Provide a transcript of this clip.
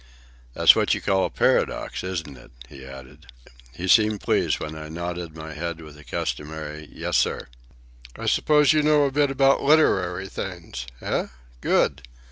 "That's what you call a paradox, isn't it?" he added. He seemed pleased when I nodded my head with the customary "Yes, sir." "I suppose you know a bit about literary things? Eh? Good.